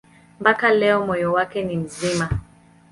Mpaka leo moyo wake ni mzima.